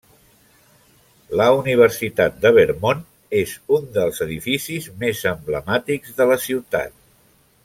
La Universitat de Vermont és un dels edificis més emblemàtics de la ciutat.